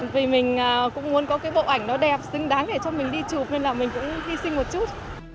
vì mình cũng muốn có cái bộ ảnh nó đẹp xứng đáng để cho mình đi chụp nên là mình cũng hy sinh một chút